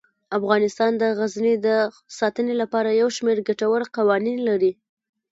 افغانستان د غزني د ساتنې لپاره یو شمیر ګټور قوانین لري.